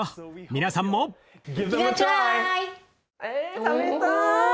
皆さんもえ食べたい！